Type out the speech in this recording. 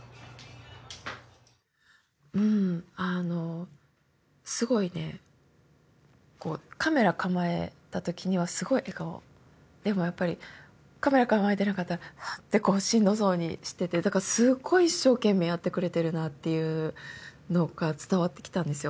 うんあのすごいねこうカメラ構えた時にはすごい笑顔でもやっぱりカメラ構えてなかったらはっってこうしんどそうにしててだからすっごい一生懸命やってくれてるなっていうのが伝わってきたんですよ